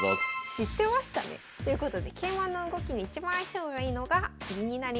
知ってましたね。ということで桂馬の動きに一番相性がいいのが銀になります。